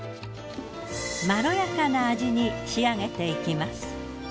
まろやかな味に仕上げていきます。